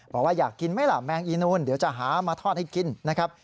บอกว่าอยากกินไหมล่ะแมงอีนูนเดี๋ยวจะหามาทอดให้กินนะครับ